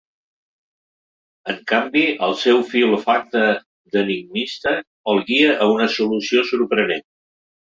En canvi el seu fi olfacte d'enigmista el guia a una solució sorprenent.